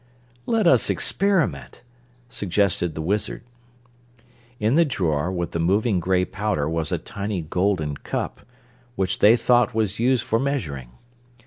"Let us experiment," suggested the Wizard. In the drawer with the moving gray powder was a tiny golden cup, which they thought was used for measuring.